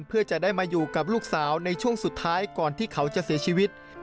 เพื่อจะได้มาอยู่กับลูกสาวในช่วงสุดท้ายก่อนที่เขาจะเสียชีวิต